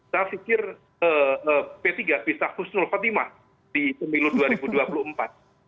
saya pikir p tiga bisa khusnul khotimah di pemilu dua ribu dua puluh empat